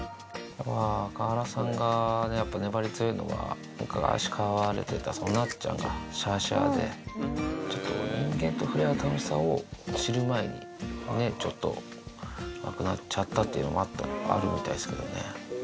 川原さんがやっぱり粘り強いのは、昔飼われてた、夏ちゃんがしゃーしゃーで、ちょっと人間と触れ合う楽しさを知る前にね、ちょっと、亡くなっちゃったっていうのもあるみたいですけどね。